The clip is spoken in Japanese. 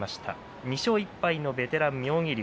２勝１敗ベテラン妙義龍